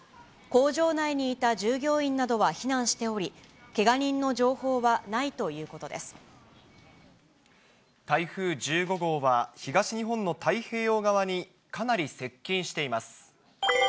工場内にいた従業員などは避難しており、けが人の情報はない台風１５号は、東日本の太平洋側にかなり接近しています。